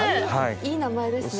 いい名前ですね。